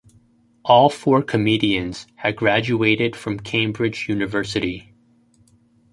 All four comedians had graduated from Cambridge University.